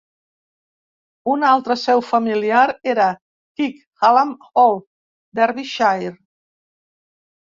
Una altra seu familiar era Kirk Hallam Hall, Derbyshire.